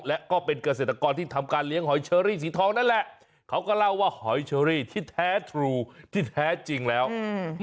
และก็เป็นเกษตรกรที่ทำการเลี้ยงหอยเชอรี่สีทองนั่นแหละเขาก็เล่าว่าหอยเชอรี่ที่แท้ทรูที่แท้จริงแล้วอืม